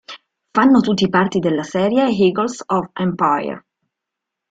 Fanno tutti parte della serie "Eagles of the Empire".